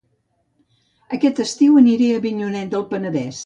Aquest estiu aniré a Avinyonet del Penedès